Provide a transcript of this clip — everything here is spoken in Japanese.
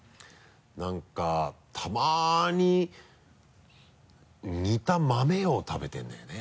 なんかたまに煮た豆を食べてるんだよね。